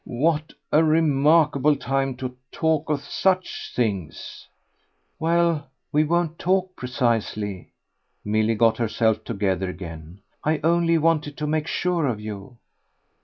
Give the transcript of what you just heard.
"What a remarkable time to talk of such things!" "Well, we won't talk, precisely" Milly got herself together again. "I only wanted to make sure of you."